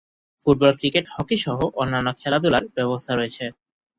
Football cricket, hockey সহ অন্যান্য খেলাধূলার ব্যবস্থা রয়েছে।